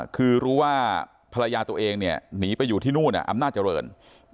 คือรู้ว่าภรรยาตัวเองเนี่ยหนีไปอยู่ที่นู่นอำนาจเจริญ